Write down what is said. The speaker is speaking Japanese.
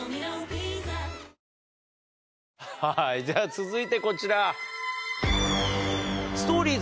じゃあ続いてこちら！